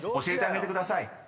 ［教えてあげてください］